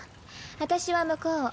私は向こうを。